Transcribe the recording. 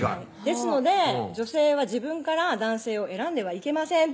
「ですので女性は自分から男性を選んではいけません」